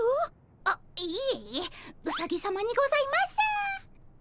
あっいえいえうさぎさまにございます！